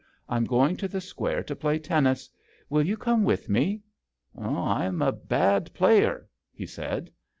I am going to the Square to play tennis. Will you come with me ?"" I am a bad player/' he said.